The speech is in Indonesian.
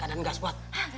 kadang gak apa apa